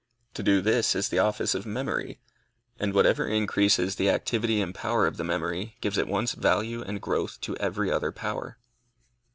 To do this is the office of memory, and whatever increases the activity and power of the memory, gives at once value and growth to every other power.